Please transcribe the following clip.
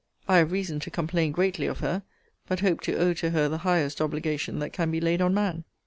I have reason to complain greatly of her: but hope to owe to her the highest obligation that can be laid on man.